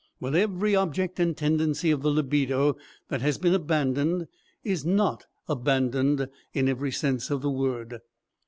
Well, every object and tendency of the libido that has been abandoned, is not abandoned in every sense of the word.